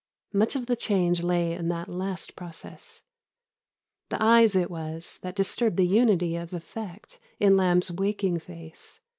Much of the change lay in that last process. The eyes it was that disturbed the unity of effect in Lamb's waking face.